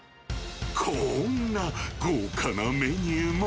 こんな豪華なメニューも。